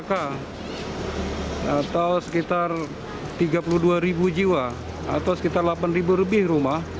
rp satu kakak atau sekitar tiga puluh dua jiwa atau sekitar delapan lebih rumah